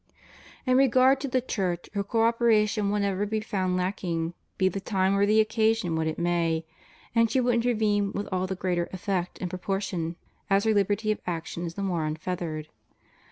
In regard to the Church, her co operation will never be found lacking, be the time or the occasion what it may; and she will intervene with all the greater effect in proportion as her liberty of action is the more unfettered.